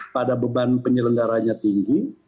pada beban penyelenggaranya tinggi